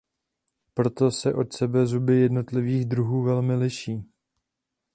Proto se od sebe zuby jednotlivých druhů velmi liší.